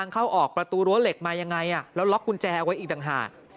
เข้าออกประตูรั้วเหล็กมายังไงแล้วล็อกกุญแจเอาไว้อีกต่างหาก